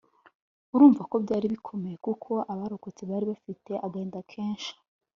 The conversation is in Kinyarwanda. urumva ko byari bikomeye kuko abarokotse bari bafite agahinda kenshi